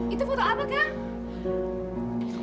itu foto apa kang